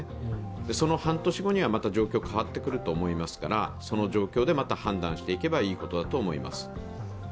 その半年後にはまた状況が変わってくると思いますからその状況でまた判断していけばいいことだと思います。